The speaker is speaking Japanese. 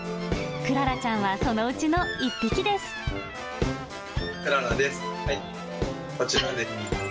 クララちゃんはそのうちの１匹でクララです。